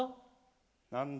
何だ？